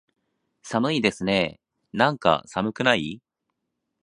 寒いですねーなんか、寒くない？